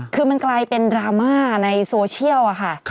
คือมันกลายเป็นดราม่าในโซเชียลค่ะ